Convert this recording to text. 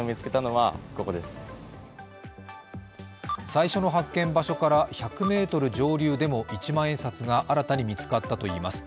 最初の発見場所から１００ｍ上流でも一万円札が新たに見つかったといいます。